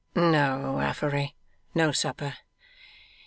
'No, Affery, no supper.